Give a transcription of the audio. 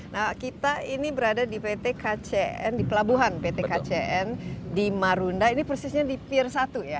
nah kita ini berada di pt kcn di pelabuhan pt kcn di marunda ini persisnya di pier satu ya